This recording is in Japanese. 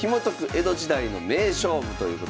江戸時代の名勝負」ということで。